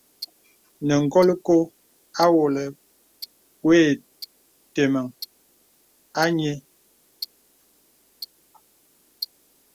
Nə̀ golkō awōlə̀ gwe yǐtə̄meŋ a nyēē.